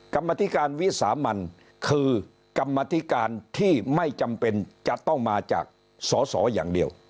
กรรมธิการวิสามันคือกรรมธิการที่ไม่จำเป็นจะต้องมาจากสอสออย่างเดียว